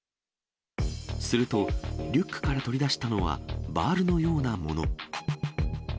すると、リュックから取り出したのはバールのようなもの。